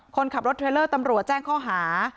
คนขับรถเทรลเลอร์ตำรวจแจ้งข้อหา